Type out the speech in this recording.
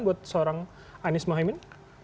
buat seorang anies mohaimin